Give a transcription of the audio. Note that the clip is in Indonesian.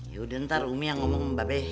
yaudah ntar umi yang ngomong mba be